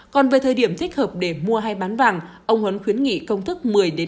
còn về thời điểm thích hợp để mua hay bán vàng ông huấn khuyến nghị công thức một mươi ba mươi